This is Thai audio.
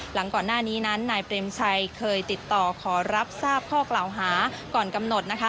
หลังก่อนหน้านี้นั้นนายเปรมชัยเคยติดต่อขอรับทราบข้อกล่าวหาก่อนกำหนดนะคะ